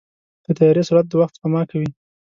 د طیارې سرعت د وخت سپما کوي.